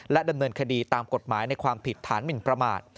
ดำเนินคดีตามกฎหมายในความผิดฐานหมินประมาท